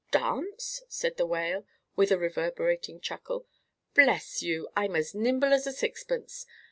"Dance?" said the Whale, with a reverberating chuckle. "Bless you! I'm as nimble as a sixpence.